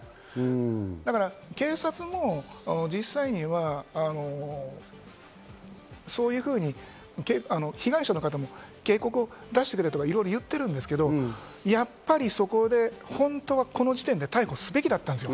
だから警察も実際には被害者の方も警告を出してくれと言ってるんですけど、やっぱりそこで本当はこの時点で逮捕すべきだったんです。